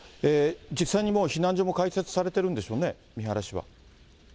実際にもう避難所も開設されてるんでしょうね、三原市は。